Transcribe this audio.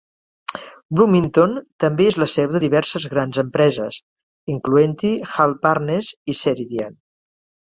Bloomington també és la seu de diverses grans empreses, incloent-hi HealthPartners i Ceridian.